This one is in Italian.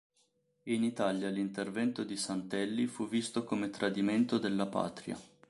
In Italia l'intervento di Santelli fu visto come tradimento della patria.